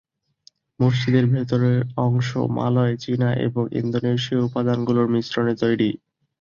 মসজিদের ভেতরের অংশ মালয়, চীনা এবং ইন্দোনেশীয় উপাদানগুলোর মিশ্রণে তৈরি।